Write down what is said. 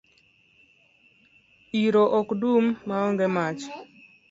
Iro ok dum maonge mach